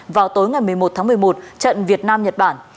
vào tối ngày một mươi một tháng một mươi một trận việt nam nhật bản